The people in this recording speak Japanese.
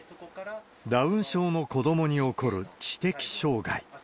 ダウン症の子どもに起こる知的障害。